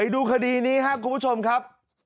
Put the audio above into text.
ดูคดีนี้ผมพบกันครับ